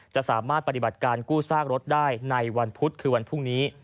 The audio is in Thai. จะสามารถปฏิบัติการกู้ซากรถได้ในวันพุธคือวันพรุ่งนี้